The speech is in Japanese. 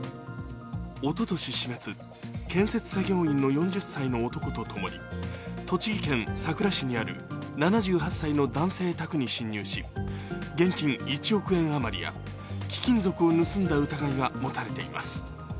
おととし４月、建設作業員の４０歳の男とともに栃木県さくら市にある７８歳の男性宅に侵入し、現金１億円余りや貴金属を盗んだ疑いが持たれています。